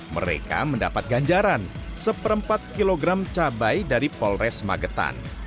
mereka mendapat ganjaran seperempat kilogram cabai dari polres magetan